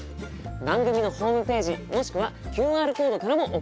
番組のホームページもしくはＱＲコードからも送っていただけます。